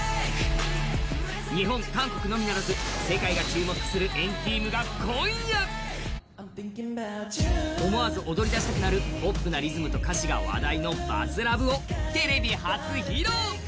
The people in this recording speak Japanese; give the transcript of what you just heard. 日本、韓国のみならず世界が注目する＆ＴＥＡＭが今夜思わず踊り出したくなるポップな歌詞とダンスが話題のテレビ初披露。